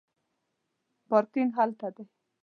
پارکینګ هلته دی